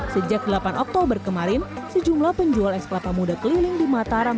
sejak delapan oktober kemarin sejumlah penjual es kelapa muda keliling di mataram